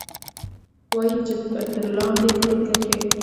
وايي چې پۀ ترلاندۍ کلي کښې